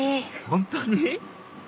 本当に？